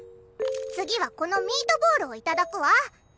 次はこのミートボールを頂くわ。